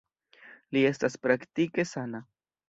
Li estas praktike sana.